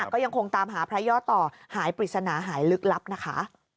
ก็ยังคงตามหาพระยอดต่อหายปริศนาหายลึกลับนะคะ